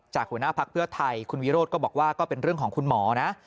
หัวหน้าพักเพื่อไทยคุณวิโรธก็บอกว่าก็เป็นเรื่องของคุณหมอนะ